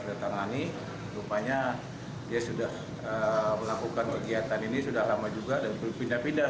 datangani rupanya dia sudah melakukan kegiatan ini sudah lama juga dan berpindah pindah